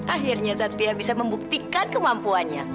akhirnya zathia bisa membuktikan kemampuannya